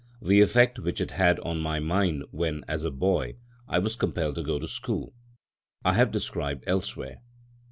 The effect which it had on my mind when, as a boy, I was compelled to go to school, I have described elsewhere.